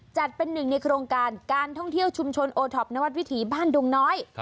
จัดเป็นหนึ่งในโครงการการท่องเที่ยวชุมชนโอท็อปนวัดวิถีบ้านดุงน้อย